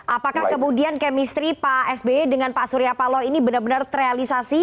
apakah kemudian kemistri pak suryapalo dengan pak suryapalo ini benar benar terrealisasi